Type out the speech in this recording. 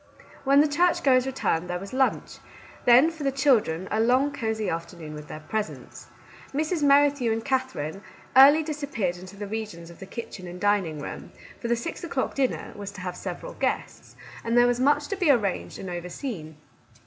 When the churchgoers returned there was lunch ; then, for the children, a long, cosey afternoon with their presents. Mrs. Merri thew and Katherine early disappeared into the regions of the kitchen and dining room, for the six o'clock dinner was to have several guests, and there was much to be arranged and over seen.